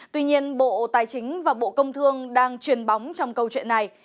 tuy nhiên bộ tài chính và bộ công thương đang truyền bóng trong câu chuyện này